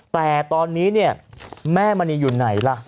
แต่ตอนนี้เนี่ยแม่มณีอยู่ไหนล่ะ